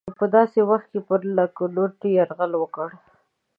په داسې وخت کې پر لکهنوتي یرغل وکړ.